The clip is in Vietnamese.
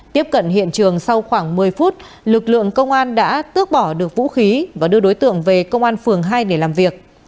tiếp cận hiện trường sau khoảng một mươi phút lực lượng công an đã tước bỏ được vũ khí và đưa đối tượng về công an phường hai để làm việc